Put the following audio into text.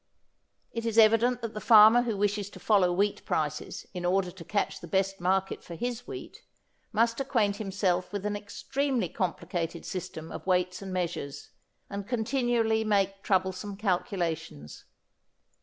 It is evident that the farmer who wishes to follow wheat prices in order to catch the best market for his wheat, must acquaint himself with an extremely complicated system of weights and measures, and continually make troublesome calculations.